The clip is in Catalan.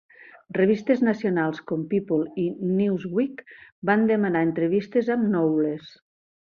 Revistes nacionals com "People" i "Newsweek" van demanar entrevistes amb Knowles.